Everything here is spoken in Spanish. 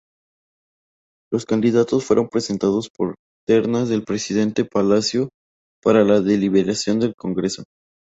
Los candidatos fueron presentados por ternas del presidente Palacio para la deliberación del Congreso.